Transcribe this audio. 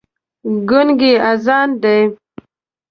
ګونګی اذان دی